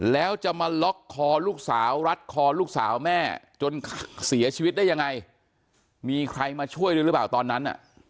แล้วจะมาล็อกคอลูกสาวรัดคอลูกสาวแม่จนเสียชีวิตได้ยังไงมีใครมาช่วยด้วยหรือเปล่าตอนนั้น